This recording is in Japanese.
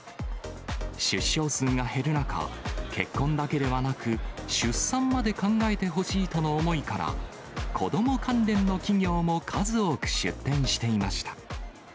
出生数が減る中、結婚だけではなく、出産まで考えてほしいとの思いから、子ども関連の企業も数多く出展していました。